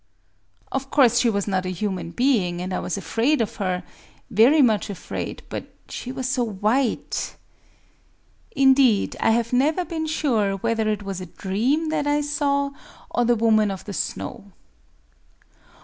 Of course, she was not a human being; and I was afraid of her,—very much afraid,—but she was so white!... Indeed, I have never been sure whether it was a dream that I saw, or the Woman of the Snow."...